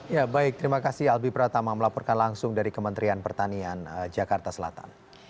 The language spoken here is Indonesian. ya baik terima kasih albi pratama melaporkan langsung dari kementerian pertanian jakarta selatan